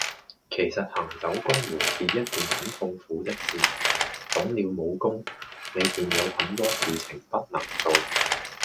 其實行走江湖是一件很痛苦的事，懂了武功，你便有很多事情不能做